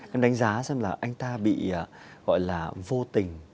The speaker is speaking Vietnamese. em đánh giá xem là anh ta bị gọi là vô tình